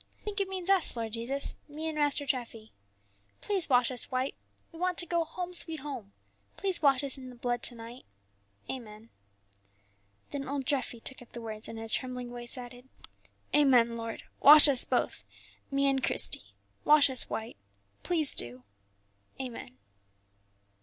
We think it means us, Lord Jesus, me and Master Treffy. Please wash us white; we want to go to 'Home, sweet Home:' please wash us in the blood to night. Amen." Then old Treffy took up the words, and in a trembling voice added, "Amen, Lord; wash us both, me and Christie, wash us white. Please do. Amen."